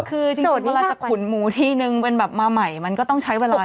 คือจริงเวลาจะขุนหมูทีนึงเป็นแบบมาใหม่มันก็ต้องใช้เวลา